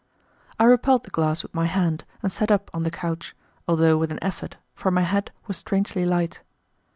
I repelled the glass with my hand and sat up on the couch, although with an effort, for my head was strangely light.